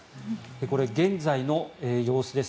これ、現在の様子です。